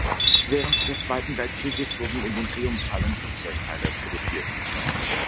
Während des Zweiten Weltkrieges wurden in den Triumph-Hallen Flugzeugteile produziert.